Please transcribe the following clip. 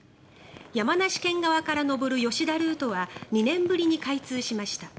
山梨県側から登る吉田ルートは２年ぶりに開通しました。